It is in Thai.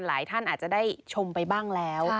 หลายท่านอาจจะได้ชมไปบ้างแล้ว